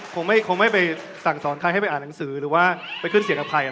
คงไม่สั่งใครไปอ่านหนังสือหรือไปขึ้นเสียงเอาภัย